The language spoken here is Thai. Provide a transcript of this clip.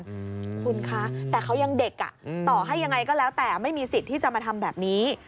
อืมคุณคะแต่เขายังเด็กอ่ะต่อให้ยังไงก็แล้วแต่ไม่มีสิทธิ์ที่จะมาทำแบบนี้